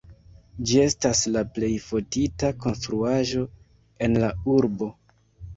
Ĝi estas la plej fotita konstruaĵo en la urbo.